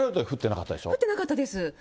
降ってなかったです。